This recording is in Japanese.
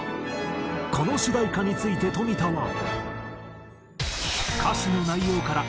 この主題歌について冨田は。